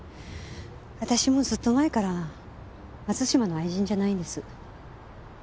私もうずっと前から松島の愛人じゃないんです。